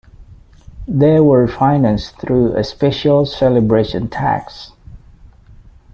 They were financed through a special celebration tax.